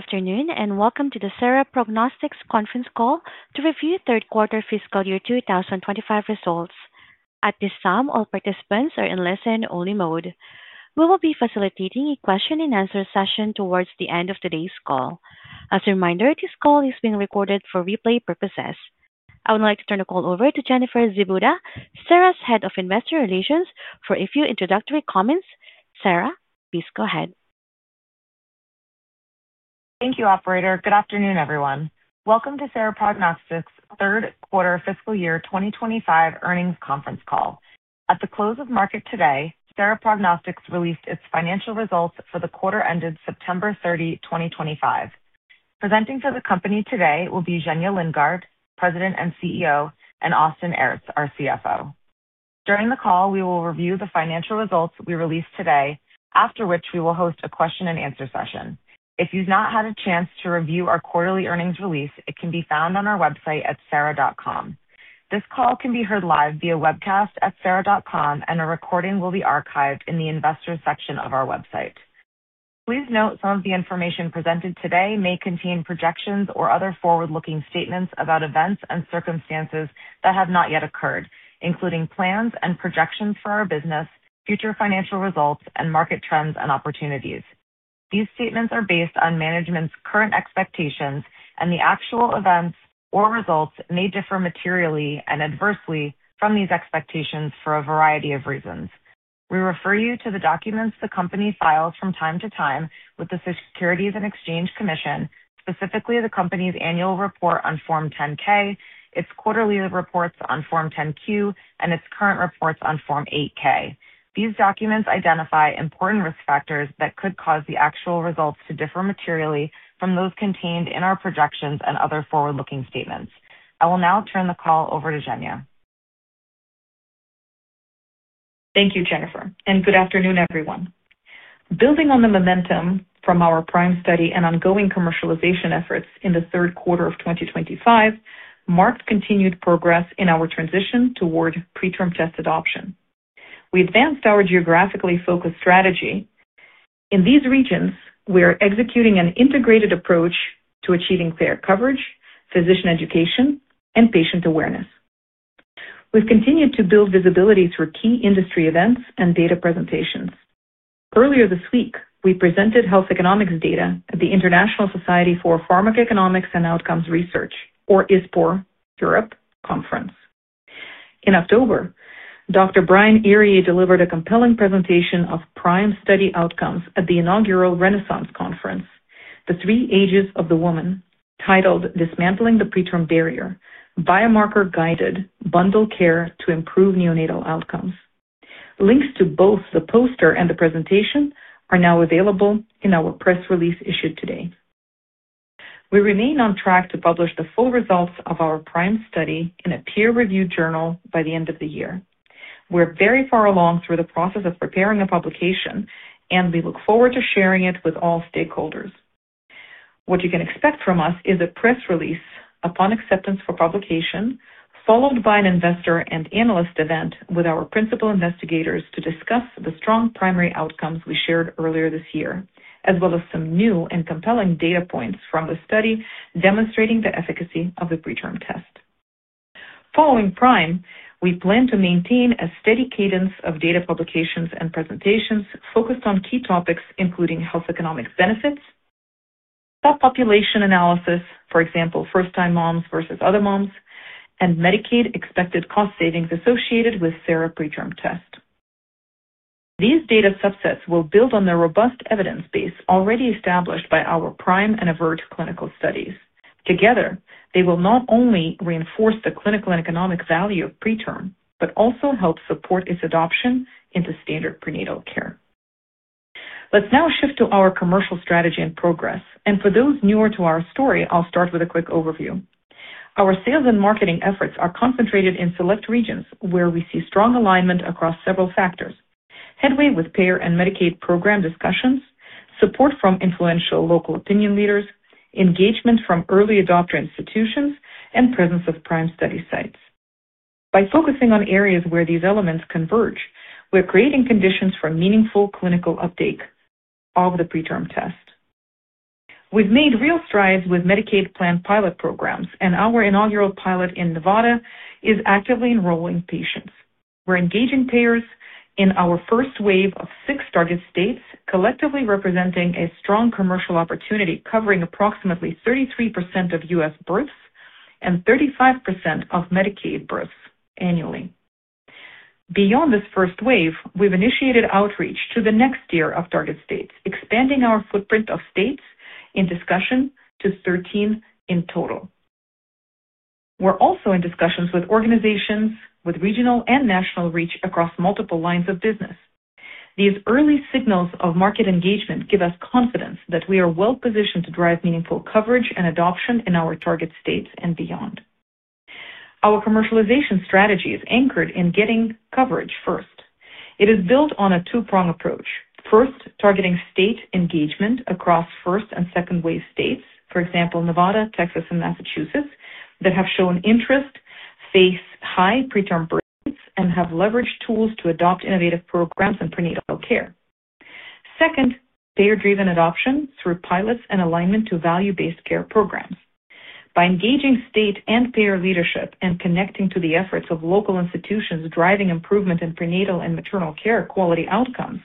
Afternoon, and welcome to the Sera Prognostics conference call to review third-quarter fiscal year 2025 results. At this time, all participants are in listen-only mode. We will be facilitating a question-and-answer session towards the end of today's call. As a reminder, this call is being recorded for replay purposes. I would like to turn the call over to Jennifer Zibuda, Sera's Head of Investor Relations, for a few introductory comments. Sera, please go ahead. Thank you, Operator. Good afternoon, everyone. Welcome to Sera Prognostics' third-quarter fiscal year 2025 earnings conference call. At the close of market today, Sera Prognostics released its financial results for the quarter ended September 30, 2025. Presenting for the company today will be Zhenya Lindgardt, President and CEO, and Austin Aerts, our CFO. During the call, we will review the financial results we released today, after which we will host a question-and-answer session. If you've not had a chance to review our quarterly earnings release, it can be found on our website at sera.com. This call can be heard live via webcast at sera.com, and a recording will be archived in the investors' section of our website. Please note some of the information presented today may contain projections or other forward-looking statements about events and circumstances that have not yet occurred, including plans and projections for our business, future financial results, and market trends and opportunities. These statements are based on management's current expectations, and the actual events or results may differ materially and adversely from these expectations for a variety of reasons. We refer you to the documents the company files from time to time with the Securities and Exchange Commission, specifically the company's annual report on Form 10-K, its quarterly reports on Form 10-Q, and its current reports on Form 8-K. These documents identify important risk factors that could cause the actual results to differ materially from those contained in our projections and other forward-looking statements. I will now turn the call over to Zhenya. Thank you, Jennifer, and good afternoon, everyone. Building on the momentum from our PRIME study and ongoing commercialization efforts in the third quarter of 2025 marked continued progress in our transition toward PreTRM test adoption. We advanced our geographically focused strategy. In these regions, we are executing an integrated approach to achieving fair coverage, physician education, and patient awareness. We've continued to build visibility through key industry events and data presentations. Earlier this week, we presented health economics data at the International Society for Pharmacoeconomics and Outcomes Research, or ISPOR, Europe Conference. In October, Dr. Brian Erie delivered a compelling presentation of PRIME study outcomes at the inaugural Renaissance Conference, The Three Ages of the Woman, titled Dismantling the Preterm Barrier: Biomarker-Guided Bundle Care to Improve Neonatal Outcomes. Links to both the poster and the presentation are now available in our press release issued today. We remain on track to publish the full results of our PRIME study in a peer-reviewed journal by the end of the year. We're very far along through the process of preparing a publication, and we look forward to sharing it with all stakeholders. What you can expect from us is a press release upon acceptance for publication, followed by an investor and analyst event with our principal investigators to discuss the strong primary outcomes we shared earlier this year, as well as some new and compelling data points from the study demonstrating the efficacy of the PreTRM test. Following PRIME, we plan to maintain a steady cadence of data publications and presentations focused on key topics, including health economic benefits, subpopulation analysis, for example, first-time moms versus other moms, and Medicaid expected cost savings associated with Sera Prognostics PreTRM test. These data subsets will build on the robust evidence base already established by our PRIME and AVERT clinical studies. Together, they will not only reinforce the clinical and economic value of PreTRM, but also help support its adoption into standard prenatal care. Let's now shift to our commercial strategy and progress. For those newer to our story, I'll start with a quick overview. Our sales and marketing efforts are concentrated in select regions where we see strong alignment across several factors: headway with payer and Medicaid program discussions, support from influential local opinion leaders, engagement from early adopter institutions, and presence of PRIME study sites. By focusing on areas where these elements converge, we're creating conditions for meaningful clinical uptake of the PreTRM test. We've made real strides with Medicaid planned pilot programs, and our inaugural pilot in Nevada is actively enrolling patients. We're engaging payers in our first wave of six target states, collectively representing a strong commercial opportunity covering approximately 33% of U.S. births and 35% of Medicaid births annually. Beyond this first wave, we've initiated outreach to the next tier of target states, expanding our footprint of states in discussion to 13 in total. We're also in discussions with organizations with regional and national reach across multiple lines of business. These early signals of market engagement give us confidence that we are well-positioned to drive meaningful coverage and adoption in our target states and beyond. Our commercialization strategy is anchored in getting coverage first. It is built on a two-prong approach: first, targeting state engagement across first and second wave states, for example, Nevada, Texas, and Massachusetts, that have shown interest, face high preterm birth rates, and have leveraged tools to adopt innovative programs in prenatal care. Second, payer-driven adoption through pilots and alignment to value-based care programs. By engaging state and payer leadership and connecting to the efforts of local institutions driving improvement in prenatal and maternal care quality outcomes,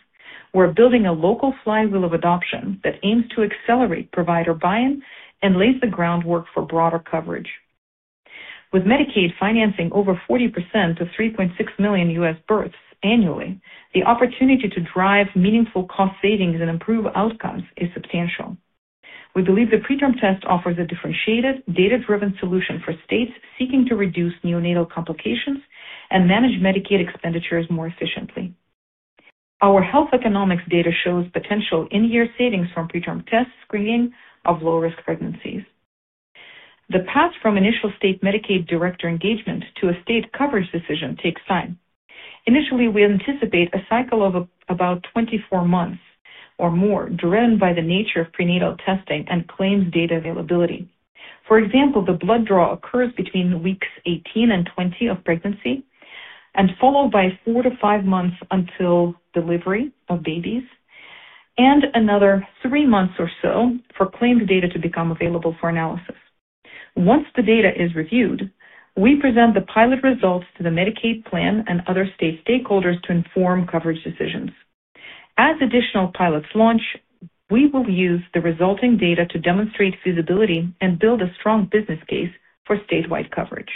we're building a local flywheel of adoption that aims to accelerate provider buy-in and lay the groundwork for broader coverage. With Medicaid financing over 40% of 3.6 million U.S. births annually, the opportunity to drive meaningful cost savings and improve outcomes is substantial. We believe the PreTRM test offers a differentiated, data-driven solution for states seeking to reduce neonatal complications and manage Medicaid expenditures more efficiently. Our health economics data shows potential in-year savings from PreTRM test screening of low-risk pregnancies. The path from initial state Medicaid director engagement to a state coverage decision takes time. Initially, we anticipate a cycle of about 24 months or more driven by the nature of prenatal testing and claims data availability. For example, the blood draw occurs between weeks 18 and 20 of pregnancy and is followed by four to five months until delivery of babies and another three months or so for claims data to become available for analysis. Once the data is reviewed, we present the pilot results to the Medicaid plan and other state stakeholders to inform coverage decisions. As additional pilots launch, we will use the resulting data to demonstrate feasibility and build a strong business case for statewide coverage.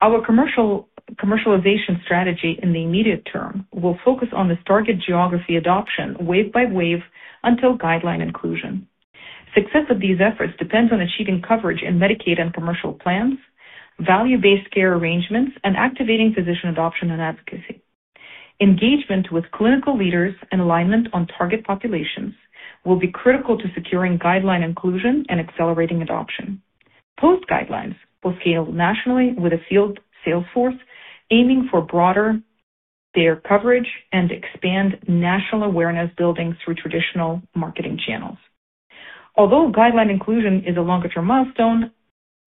Our commercialization strategy in the immediate term will focus on this target geography adoption wave by wave until guideline inclusion. Success of these efforts depends on achieving coverage in Medicaid and commercial plans, value-based care arrangements, and activating physician adoption and advocacy. Engagement with clinical leaders and alignment on target populations will be critical to securing guideline inclusion and accelerating adoption. Post-guidelines will scale nationally with a field sales force aiming for broader payer coverage and expand national awareness building through traditional marketing channels. Although guideline inclusion is a longer-term milestone,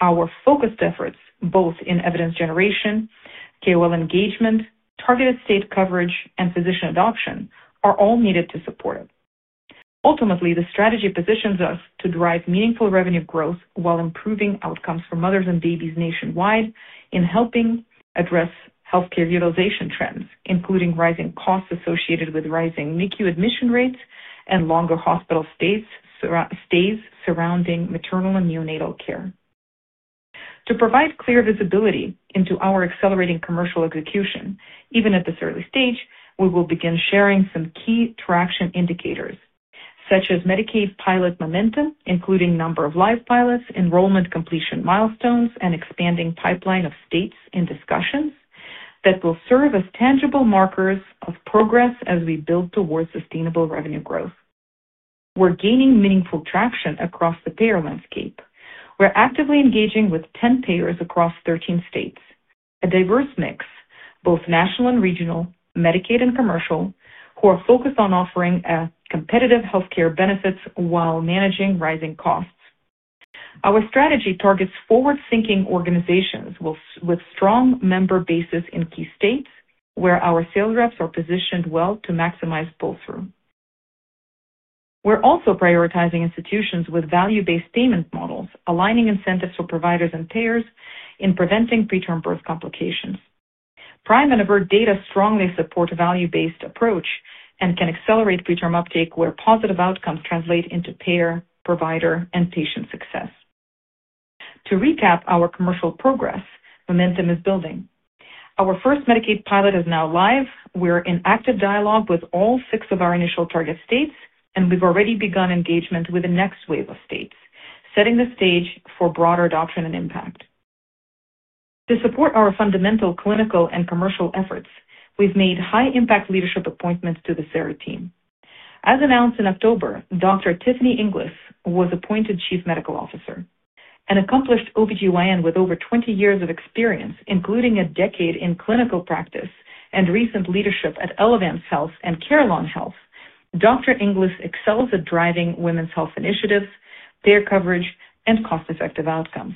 our focused efforts both in evidence generation, KOL engagement, targeted state coverage, and physician adoption are all needed to support it. Ultimately, the strategy positions us to drive meaningful revenue growth while improving outcomes for mothers and babies nationwide in helping address healthcare utilization trends, including rising costs associated with rising NICU admission rates and longer hospital stays surrounding maternal and neonatal care. To provide clear visibility into our accelerating commercial execution, even at this early stage, we will begin sharing some key traction indicators, such as Medicaid pilot momentum, including number of live pilots, enrollment completion milestones, and expanding pipeline of states in discussions that will serve as tangible markers of progress as we build towards sustainable revenue growth. We're gaining meaningful traction across the payer landscape. We're actively engaging with 10 payers across 13 states, a diverse mix, both national and regional, Medicaid and commercial, who are focused on offering competitive healthcare benefits while managing rising costs. Our strategy targets forward-thinking organizations with strong member bases in key states where our sales reps are positioned well to maximize pull-through. We're also prioritizing institutions with value-based payment models, aligning incentives for providers and payers in preventing preterm birth complications. PRIME and AVERT data strongly support a value-based approach and can accelerate PreTRM uptake where positive outcomes translate into payer, provider, and patient success. To recap our commercial progress, momentum is building. Our first Medicaid pilot is now live. We're in active dialogue with all six of our initial target states, and we've already begun engagement with the next wave of states, setting the stage for broader adoption and impact. To support our fundamental clinical and commercial efforts, we've made high-impact leadership appointments to the Sera team. As announced in October, Dr. Tiffany Inglis was appointed Chief Medical Officer. An accomplished OB-GYN with over 20 years of experience, including a decade in clinical practice and recent leadership at Elevance Health and Carelon Health, Dr. Inglis excels at driving women's health initiatives, payer coverage, and cost-effective outcomes.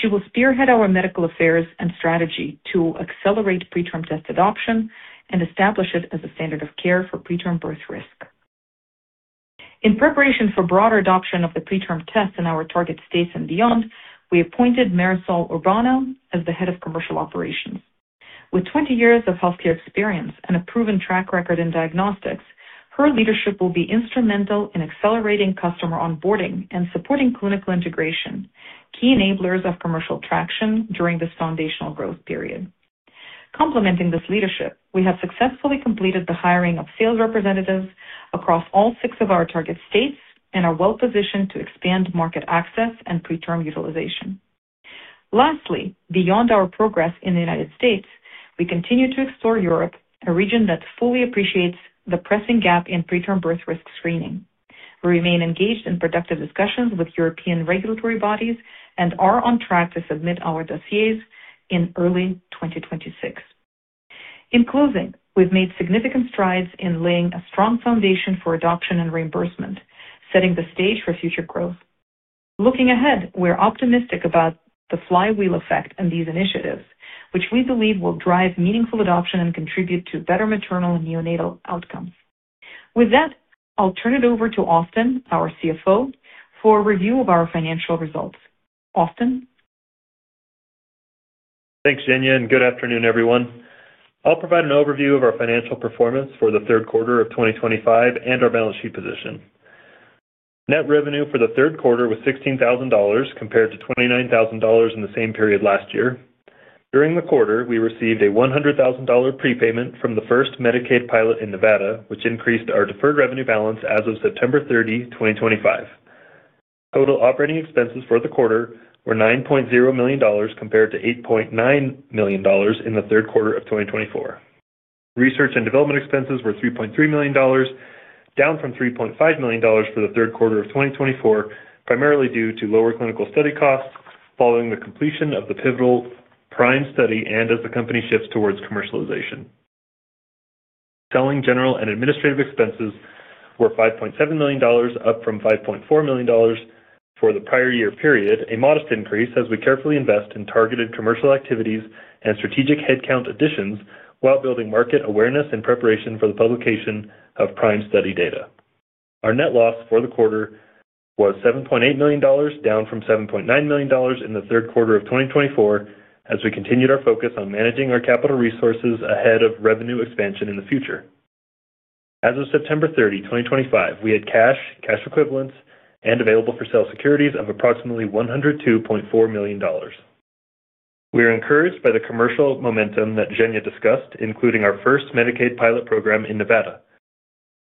She will spearhead our medical affairs and strategy to accelerate PreTRM test adoption and establish it as a standard of care for preterm birth risk. In preparation for broader adoption of the PreTRM test in our target states and beyond, we appointed Marisol Urbano as the Head of Commercial Operations. With 20 years of healthcare experience and a proven track record in diagnostics, her leadership will be instrumental in accelerating customer onboarding and supporting clinical integration, key enablers of commercial traction during this foundational growth period. Complementing this leadership, we have successfully completed the hiring of sales representatives across all six of our target states and are well-positioned to expand market access and PreTRM utilization. Lastly, beyond our progress in the United States, we continue to explore Europe, a region that fully appreciates the pressing gap in preterm birth risk screening. We remain engaged in productive discussions with European regulatory bodies and are on track to submit our dossiers in early 2026. In closing, we've made significant strides in laying a strong foundation for adoption and reimbursement, setting the stage for future growth. Looking ahead, we're optimistic about the flywheel effect and these initiatives, which we believe will drive meaningful adoption and contribute to better maternal and neonatal outcomes. With that, I'll turn it over to Austin, our CFO, for a review of our financial results. Austin? Thanks, Zhenya, and good afternoon, everyone. I'll provide an overview of our financial performance for the third quarter of 2025 and our balance sheet position. Net revenue for the third quarter was $16,000 compared to $29,000 in the same period last year. During the quarter, we received a $100,000 prepayment from the first Medicaid pilot in Nevada, which increased our deferred revenue balance as of September 30, 2025. Total operating expenses for the quarter were $9.0 million compared to $8.9 million in the third quarter of 2024. Research and development expenses were $3.3 million, down from $3.5 million for the third quarter of 2024, primarily due to lower clinical study costs following the completion of the pivotal PRIME study and as the company shifts towards commercialization. Selling general and administrative expenses were $5.7 million, up from $5.4 million for the prior year period, a modest increase as we carefully invest in targeted commercial activities and strategic headcount additions while building market awareness and preparation for the publication of PRIME study data. Our net loss for the quarter was $7.8 million, down from $7.9 million in the third quarter of 2024 as we continued our focus on managing our capital resources ahead of revenue expansion in the future. As of September 30, 2025, we had cash, cash equivalents, and available for sale securities of approximately $102.4 million. We are encouraged by the commercial momentum that Zhenya Lindgardt discussed, including our first Medicaid pilot program in Nevada.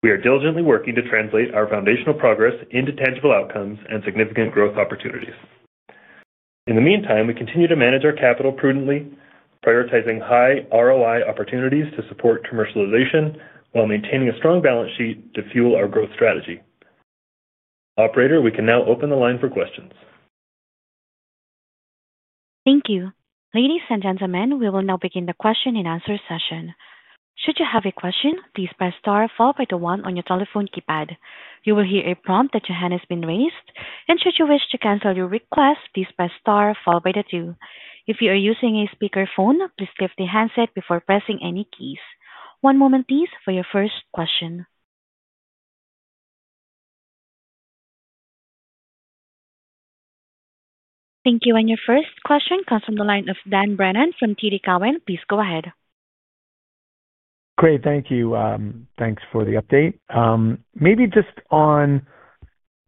We are diligently working to translate our foundational progress into tangible outcomes and significant growth opportunities. In the meantime, we continue to manage our capital prudently, prioritizing high ROI opportunities to support commercialization while maintaining a strong balance sheet to fuel our growth strategy. Operator, we can now open the line for questions. Thank you. Ladies and gentlemen, we will now begin the question and answer session. Should you have a question, please press star followed by the one on your telephone keypad. You will hear a prompt that your hand has been raised. Should you wish to cancel your request, please press star followed by the two. If you are using a speakerphone, please lift the handset before pressing any keys. One moment, please, for your first question. Thank you. Your first question comes from the line of Dan Brennan from TD Cowen. Please go ahead. Great. Thank you. Thanks for the update. Maybe just on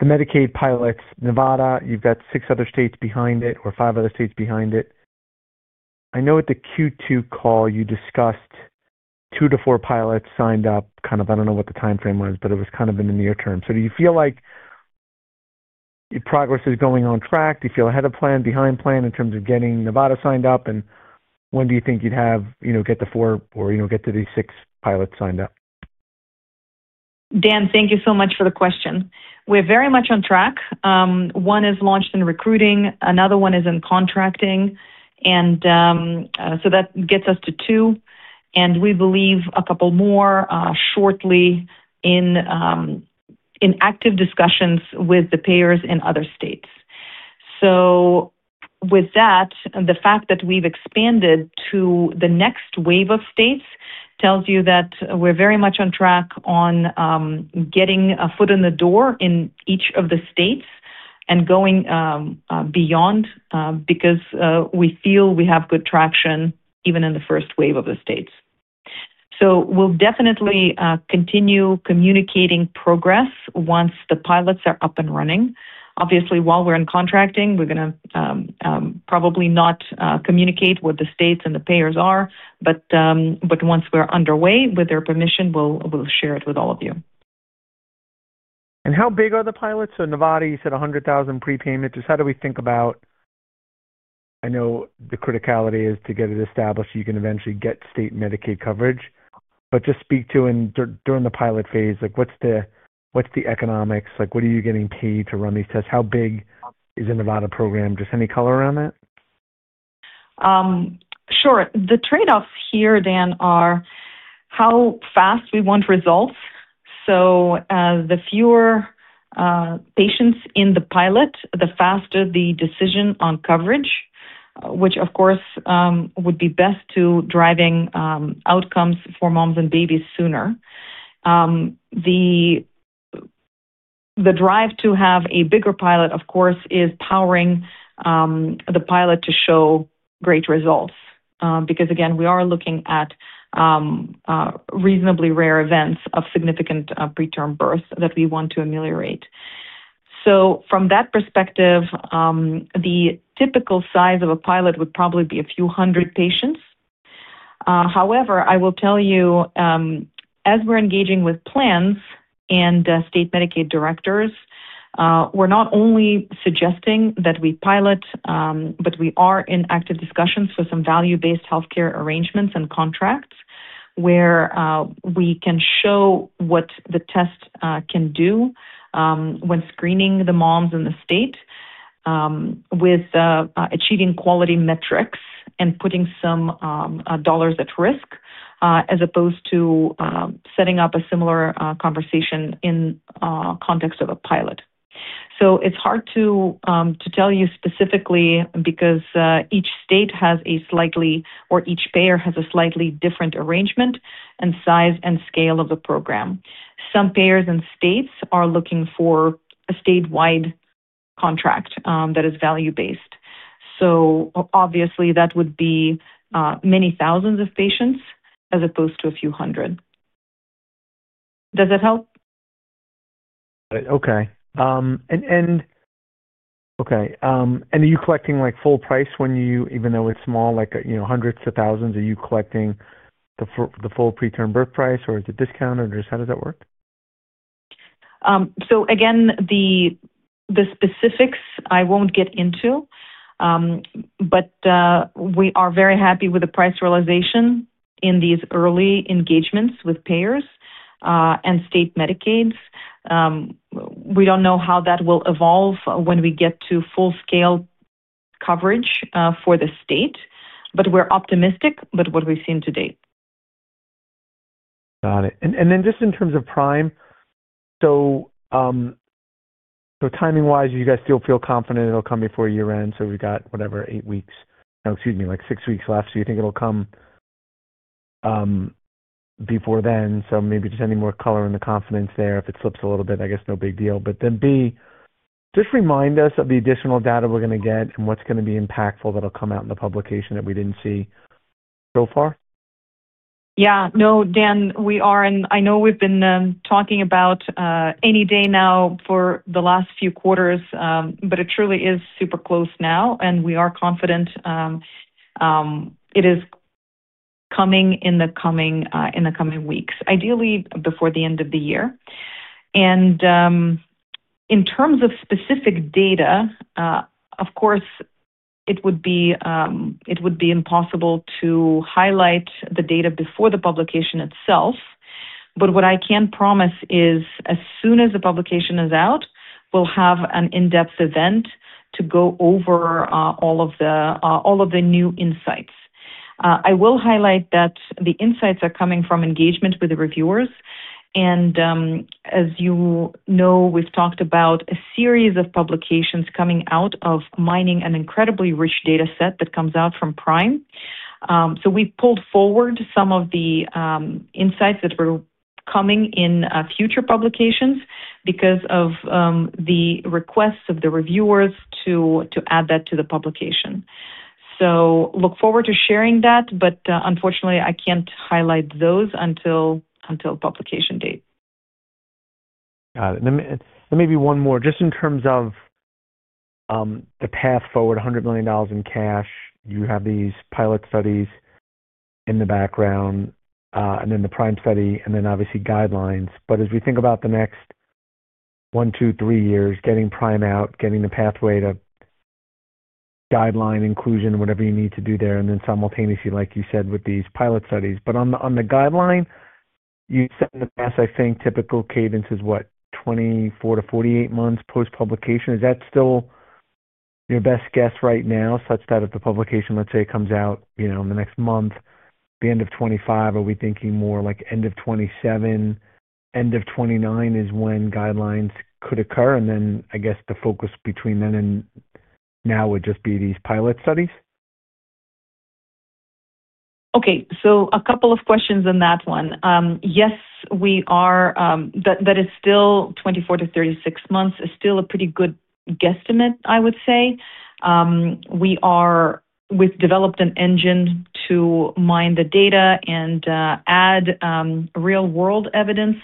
the Medicaid pilots, Nevada, you've got six other states behind it or five other states behind it. I know at the Q2 call, you discussed two to four pilots signed up. I don't know what the timeframe was, but it was kind of in the near term. Do you feel like your progress is going on track? Do you feel ahead of plan, behind plan in terms of getting Nevada signed up? When do you think you'd get the four or get to the six pilots signed up? Dan, thank you so much for the question. We're very much on track. One is launched in recruiting. Another one is in contracting. That gets us to two. We believe a couple more shortly in active discussions with the payers in other states. With that, the fact that we've expanded to the next wave of states tells you that we're very much on track on getting a foot in the door in each of the states and going beyond because we feel we have good traction even in the first wave of the states. We'll definitely continue communicating progress once the pilots are up and running. Obviously, while we're in contracting, we're going to probably not communicate what the states and the payers are. Once we're underway, with their permission, we'll share it with all of you. How big are the pilots? Nevada, you said $100,000 prepayment. Just how do we think about, I know the criticality is to get it established so you can eventually get state Medicaid coverage. Just speak to during the pilot phase, what's the economics? What are you getting paid to run these tests? How big is the Nevada program? Just any color around that? Sure. The trade-offs here, Dan, are how fast we want results. The fewer patients in the pilot, the faster the decision on coverage, which, of course, would be best to driving outcomes for moms and babies sooner. The drive to have a bigger pilot, of course, is powering the pilot to show great results because, again, we are looking at reasonably rare events of significant preterm birth that we want to ameliorate. From that perspective, the typical size of a pilot would probably be a few hundred patients. However, I will tell you, as we're engaging with plans and state Medicaid directors, we're not only suggesting that we pilot, but we are in active discussions for some value-based healthcare arrangements and contracts where we can show what the test can do when screening the moms in the state with achieving quality metrics and putting some dollars at risk as opposed to setting up a similar conversation in context of a pilot. It is hard to tell you specifically because each state has a slightly or each payer has a slightly different arrangement and size and scale of the program. Some payers and states are looking for a statewide contract that is value-based. Obviously, that would be many thousands of patients as opposed to a few hundred. Does that help? Got it. Okay. And are you collecting full price when you, even though it's small, like hundreds of thousands, are you collecting the full PreTRM test price or is it discounted or just how does that work? Again, the specifics I won't get into. But we are very happy with the price realization in these early engagements with payers and state Medicaids. We don't know how that will evolve when we get to full-scale coverage for the state, but we're optimistic about what we've seen to date. Got it. And then just in terms of PRIME, so timing-wise, you guys still feel confident it'll come before year-end? So we've got whatever, eight weeks, excuse me, like six weeks left. You think it'll come before then? Maybe just any more color in the confidence there. If it slips a little bit, I guess no big deal. Then B, just remind us of the additional data we're going to get and what's going to be impactful that'll come out in the publication that we didn't see so far? Yeah. No, Dan, we are. I know we've been talking about any day now for the last few quarters, but it truly is super close now. We are confident it is coming in the coming weeks, ideally before the end of the year. In terms of specific data, of course, it would be impossible to highlight the data before the publication itself. What I can promise is as soon as the publication is out, we'll have an in-depth event to go over all of the new insights. I will highlight that the insights are coming from engagement with the reviewers. As you know, we've talked about a series of publications coming out of mining an incredibly rich data set that comes out from PRIME. We pulled forward some of the insights that were coming in future publications because of the requests of the reviewers to add that to the publication. Look forward to sharing that, but unfortunately, I can't highlight those until publication date. Got it. And then maybe one more, just in terms of the path forward, $100 million in cash. You have these pilot studies in the background and then the PRIME study and then obviously guidelines. But as we think about the next one, two, three years, getting PRIME out, getting the pathway to guideline inclusion, whatever you need to do there, and then simultaneously, like you said, with these pilot studies. But on the guideline, you said in the past, I think typical cadence is what, 24-48 months post-publication. Is that still your best guess right now such that if the publication, let's say, comes out in the next month, the end of 2025, are we thinking more like end of 2027, end of 2029 is when guidelines could occur? And then I guess the focus between then and now would just be these pilot studies? Okay. So a couple of questions on that one. Yes, we are, that is still 24-36 months, is still a pretty good guesstimate, I would say. We have developed an engine to mine the data and add real-world evidence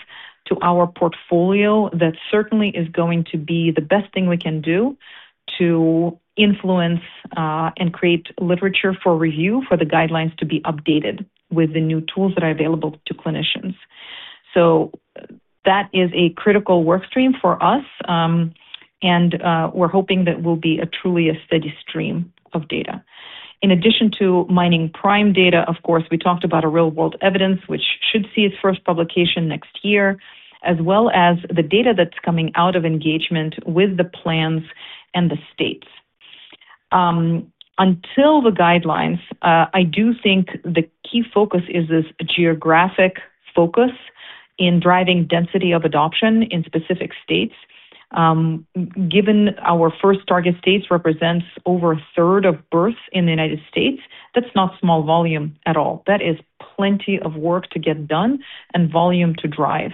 to our portfolio that certainly is going to be the best thing we can do to influence and create literature for review for the guidelines to be updated with the new tools that are available to clinicians. That is a critical workstream for us. We're hoping that will be truly a steady stream of data. In addition to mining PRIME data, of course, we talked about real-world evidence, which should see its first publication next year, as well as the data that's coming out of engagement with the plans and the states. Until the guidelines, I do think the key focus is this geographic focus in driving density of adoption in specific states. Given our first target states represents over a third of births in the United States, that's not small volume at all. That is plenty of work to get done and volume to drive.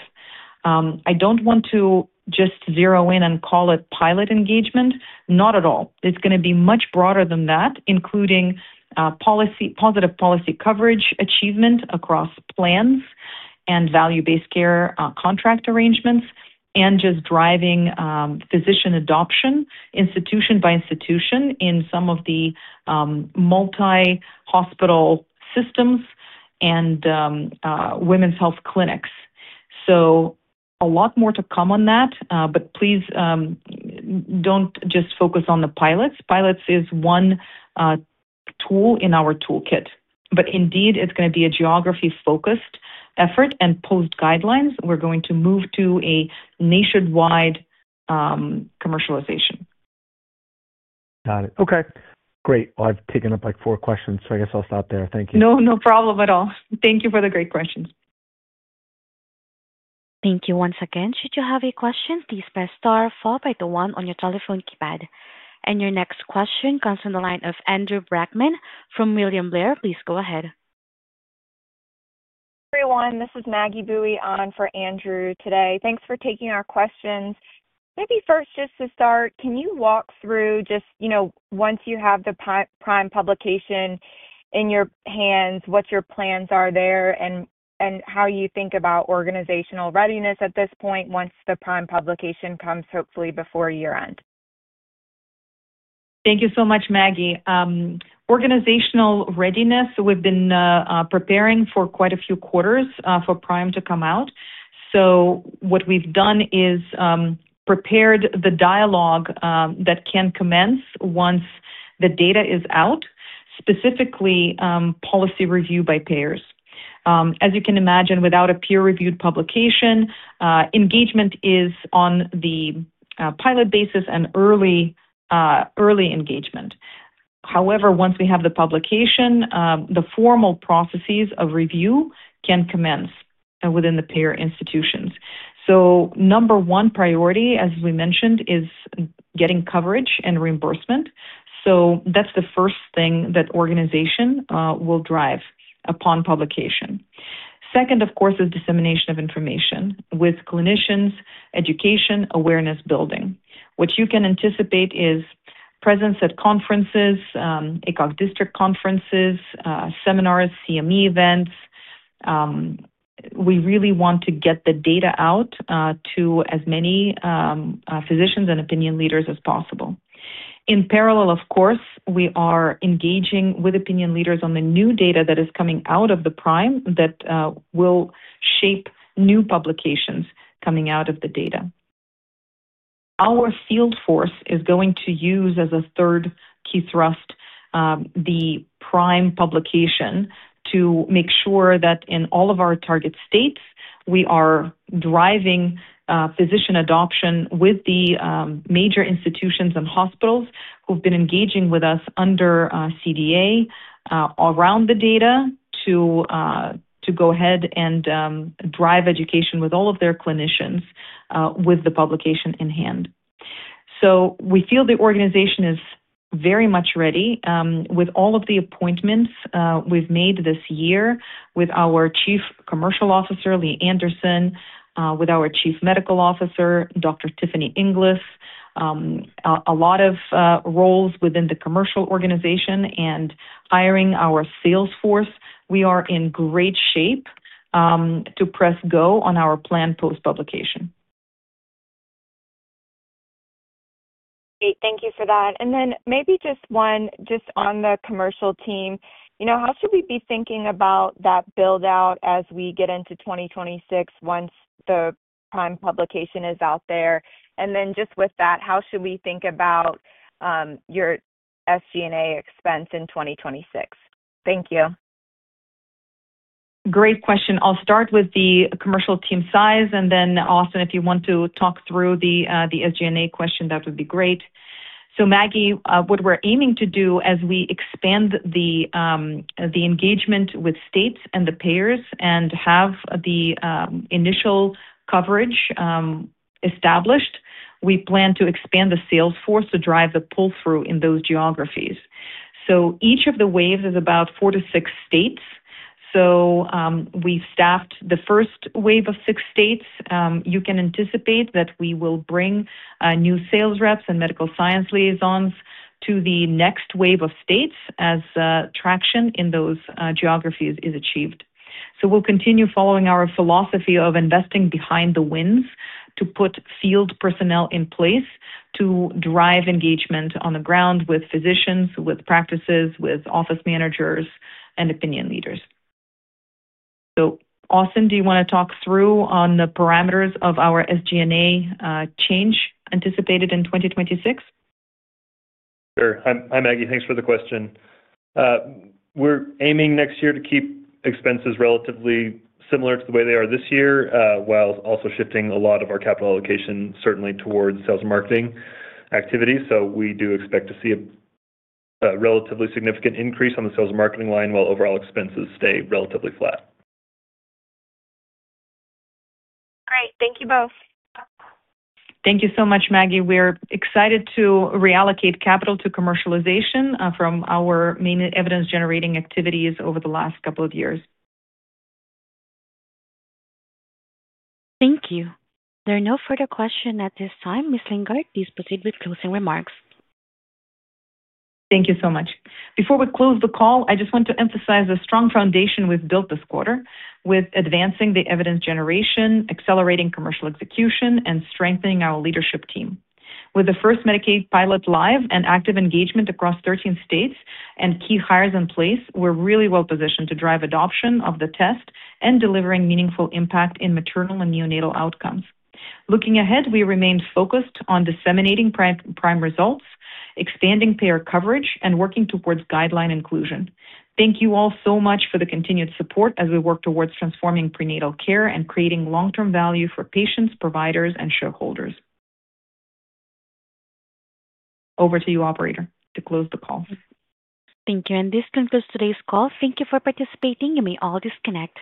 I don't want to just zero in and call it pilot engagement. Not at all. It's going to be much broader than that, including positive policy coverage achievement across plans and value-based care contract arrangements and just driving physician adoption institution by institution in some of the multi-hospital systems and women's health clinics. A lot more to come on that. Please don't just focus on the pilots. Pilots is one tool in our toolkit. Indeed, it's going to be a geography-focused effort and post-guidelines. We're going to move to a nationwide commercialization. Got it. Okay. Great. I've taken up like four questions. I guess I'll stop there. Thank you. No, no problem at all. Thank you for the great questions. Thank you once again. Should you have a question, please press star followed by the one on your telephone keypad. Your next question comes from the line of Andrew Brackmann from William Blair. Please go ahead. Hi everyone. This is Maggie Boeye on for Andrew today. Thanks for taking our questions. Maybe first, just to start, can you walk through just once you have the PRIME publication in your hands, what your plans are there and how you think about organizational readiness at this point once the PRIME publication comes, hopefully before year-end? Thank you so much, Maggie. Organizational readiness, we've been preparing for quite a few quarters for PRIME to come out. So what we've done is prepared the dialogue that can commence once the data is out, specifically policy review by payers. As you can imagine, without a peer-reviewed publication, engagement is on the pilot basis and early engagement. However, once we have the publication, the formal processes of review can commence within the payer institutions. Number one priority, as we mentioned, is getting coverage and reimbursement. That's the first thing that organization will drive upon publication. Second, of course, is dissemination of information with clinicians, education, awareness building. What you can anticipate is presence at conferences, ACOG district conferences, seminars, CME events. We really want to get the data out to as many physicians and opinion leaders as possible. In parallel, of course, we are engaging with opinion leaders on the new data that is coming out of the PRIME that will shape new publications coming out of the data. Our field force is going to use as a third key thrust the PRIME publication to make sure that in all of our target states, we are driving physician adoption with the major institutions and hospitals who have been engaging with us under CDA around the data to go ahead and drive education with all of their clinicians with the publication in hand. We feel the organization is very much ready with all of the appointments we have made this year with our Chief Commercial Officer, Lee Anderson, with our Chief Medical Officer, Dr. Tiffany Inglis, a lot of roles within the commercial organization, and hiring our salesforce. We are in great shape to press go on our plan post-publication. Great. Thank you for that. Maybe just one, just on the commercial team, how should we be thinking about that build-out as we get into 2026 once the PRIME publication is out there? Just with that, how should we think about your SG&A expense in 2026? Thank you. Great question. I'll start with the commercial team size. Then, Austin, if you want to talk through the SG&A question, that would be great. Maggie, what we're aiming to do as we expand the engagement with states and the payers and have the initial coverage established, we plan to expand the salesforce to drive the pull-through in those geographies. Each of the waves is about four to six states. We've staffed the first wave of six states. You can anticipate that we will bring new sales reps and medical science liaisons to the next wave of states as traction in those geographies is achieved. We'll continue following our philosophy of investing behind the wins to put field personnel in place to drive engagement on the ground with physicians, with practices, with office managers, and opinion leaders. Austin, do you want to talk through on the parameters of our SG&A change anticipated in 2026? Sure. Hi, Maggie. Thanks for the question. We're aiming next year to keep expenses relatively similar to the way they are this year while also shifting a lot of our capital allocation certainly towards sales and marketing activities. We do expect to see a relatively significant increase on the sales and marketing line while overall expenses stay relatively flat. Great. Thank you both. Thank you so much, Maggie. We're excited to reallocate capital to commercialization from our main evidence-generating activities over the last couple of years. Thank you. There are no further questions at this time. Ms. Lindgardt, please proceed with closing remarks. Thank you so much. Before we close the call, I just want to emphasize the strong foundation we've built this quarter with advancing the evidence generation, accelerating commercial execution, and strengthening our leadership team. With the first Medicaid pilot live and active engagement across 13 states and key hires in place, we're really well positioned to drive adoption of the test and delivering meaningful impact in maternal and neonatal outcomes. Looking ahead, we remain focused on disseminating PRIME results, expanding payer coverage, and working towards guideline inclusion. Thank you all so much for the continued support as we work towards transforming prenatal care and creating long-term value for patients, providers, and shareholders. Over to you, operator, to close the call. Thank you. This concludes today's call. Thank you for participating. You may all disconnect.